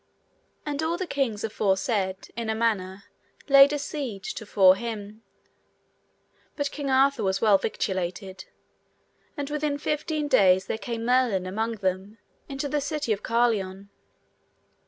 And all the kings aforesaid in a manner laid a siege to fore him, but King Arthur was well victualed. And within fifteen days there came Merlin among them into the city of Carlion.